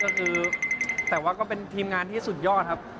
ก็คือแต่ว่าก็เป็นทีมงานที่สุดยอดครับ